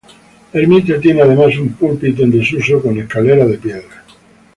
La ermita tiene además un púlpito en desuso con escaleras de piedra.